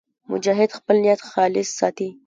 مجاهد خپل نیت خالص ساتي.